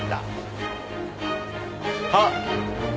あっ！